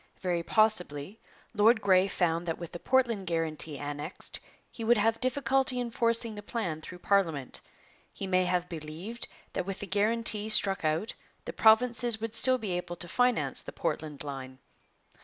Very possibly Lord Grey found that with the Portland guarantee annexed he would have difficulty in forcing the plan through parliament. He may have believed that with the guarantee struck out the provinces would still be able to finance the Portland line.